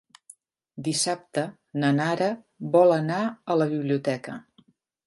Dissabte na Nara vol anar a la biblioteca.